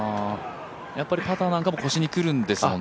やっぱりパターなんかも腰にくるんですもんね。